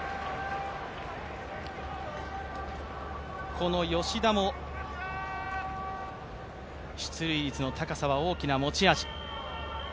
この吉田も出塁率の高さは大きな持ち味。